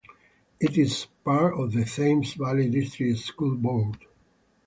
It is a part of the Thames Valley District School Board.